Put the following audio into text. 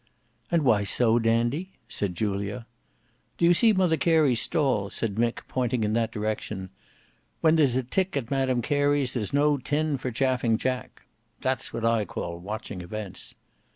"And why so, Dandy?" said Julia. "Do you see Mother Carey's stall?" said Mick, pointing in that direction. "When there's a tick at Madam Carey's there is no tin for Chaffing Jack. That's what I call watching events."